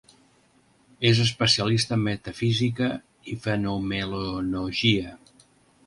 És especialista en Metafísica i Fenomenologia.